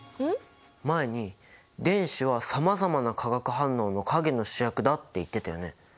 前に電子はさまざまな化学反応の陰の主役だって言ってたよね。